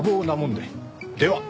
では。